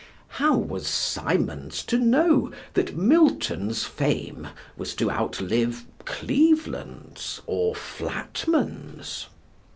How was Symonds to know that Milton's fame was to outlive Cleveland's or Flatman's?